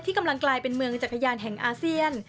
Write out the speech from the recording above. กำลังกลายเป็นเมืองจักรยานแห่งอาเซียน